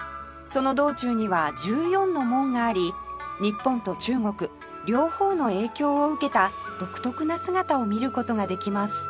その道中には１４の門があり日本と中国両方の影響を受けた独特な姿を見る事ができます